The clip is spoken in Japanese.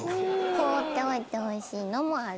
放っておいてほしいのもある。